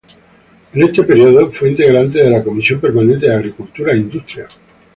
En este período fue integrante de la Comisión permanente de Agricultura e Industria.